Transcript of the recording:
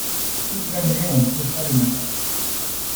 Toute l'année on prêcha le massacre.